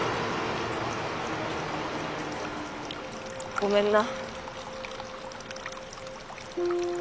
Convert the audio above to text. ごめんな。